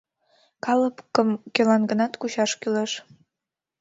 Калыкым кӧлан-гынат кучаш кӱлеш.